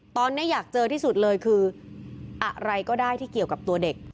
ตอนนี้อยากเจอที่สุดเลยคืออะไรก็ได้ที่เกี่ยวกับตัวเด็ก